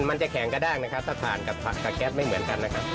มันจะแข็งกระด้างนะครับสะพานกับสแก๊สไม่เหมือนกันนะครับ